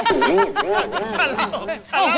โอ้โฮโอ้โฮ